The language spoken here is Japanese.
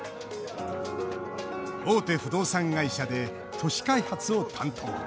大手不動産会社で都市開発を担当。